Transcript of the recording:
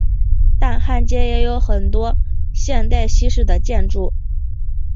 但汉街也有很多现代西式的建筑。